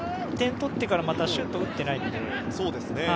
点を取ってからまだシュートを打ってないので。